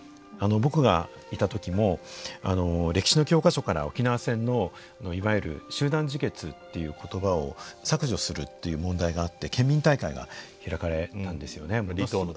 僕がいた時も歴史の教科書から沖縄戦のいわゆる「集団自決」っていう言葉を削除するっていう問題があって県民大会が開かれたんですよね。